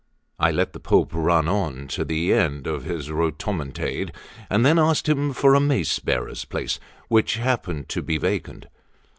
I let the Pope run on to the end of his rhodomontade, and then asked him for a mace bearer's place which happened to be vacant.